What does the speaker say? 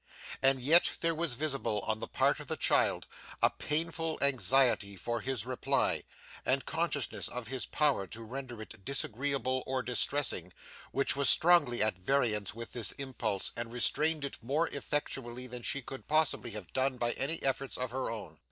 And yet there was visible on the part of the child a painful anxiety for his reply, and consciousness of his power to render it disagreeable or distressing, which was strongly at variance with this impulse and restrained it more effectually than she could possibly have done by any efforts of her own.